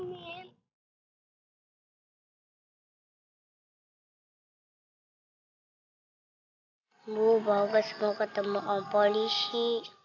ibu bagus mau ketemu om polisi